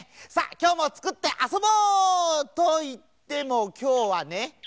きょうもつくってあそぼう！といってもきょうはねほら。